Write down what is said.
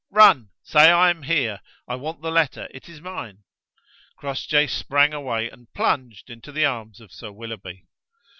"Run: say I am here; I want the letter, it is mine." Crossjay sprang away and plunged into the arms of Sir Willoughby.